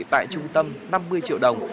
tại trung tâm năm mươi triệu đồng